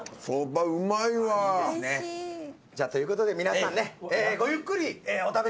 じゃあということで皆さんねごゆっくりお食べください。